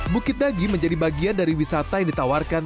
bukit dagi menjadi bagian dari wisata yang ditawarkan